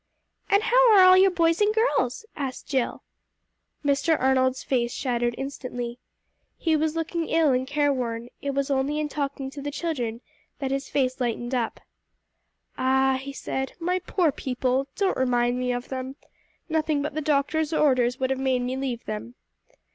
"And how are all your boys and girls?" asked Jill. Mr. Arnold's face shadowed instantly. He was looking ill and careworn; it was only in talking to the children that his face lightened up. "Ah," he said; "my poor people! Don't remind me of them. Nothing but the doctor's orders would have made me leave them."